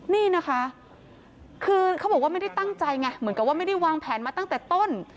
นี่นะคะคือเขาบอกว่าไม่ได้ตั้งใจไงเหมือนกับว่าไม่ได้วางแผนมาตั้งแต่ต้น